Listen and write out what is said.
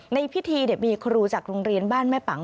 ในพิธีมีครูจากโรงเรียนบ้านแม่ปัง